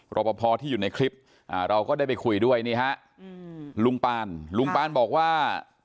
รอปภที่อยู่ในคลิปเราก็ได้ไปคุยด้วยนี่ฮะลุงปานลุงปานบอกว่า